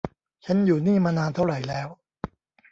ฉันอยู่นี่มานานเท่าไรแล้ว